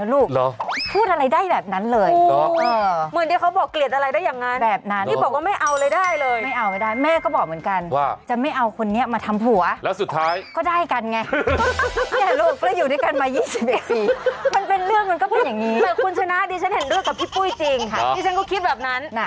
ร้อยนะครับ